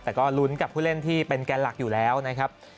แต่ก็ลุ้นกับผู้เล่นที่เป็นแกนหลักอยู่แล้วนะครับ